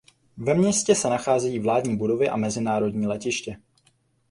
Ve městě se nacházejí vládní budovy a mezinárodní letiště.